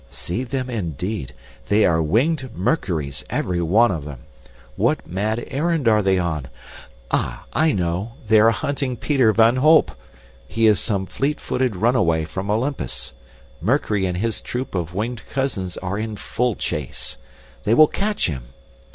See them, indeed! They are winged Mercuries, every one of them. What mad errand are they on? Ah, I know. They are hunting Peter van Holp. He is some fleet footed runaway from Olympus. Mercury and his troop of winged cousins are in full chase. They will catch him!